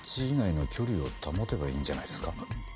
５０ｃｍ以内の距離を保てばいいんじゃないですか？